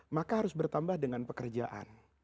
maka harus bertambah dengan pekerjaan